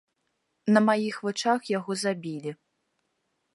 На маіх вачах яго забілі.